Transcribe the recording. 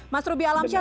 mas ruby alamsyah